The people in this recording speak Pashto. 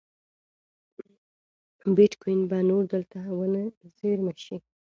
بېټکوین به نور دلته ونه زېرمه شي.